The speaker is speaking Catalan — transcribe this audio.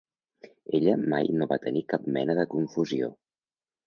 Ella mai no va tenir cap mena de confusió.